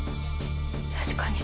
確かに。